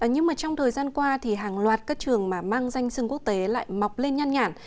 nhưng trong thời gian qua hàng loạt các trường mang danh sưng quốc tế lại mọc lên nhăn nhản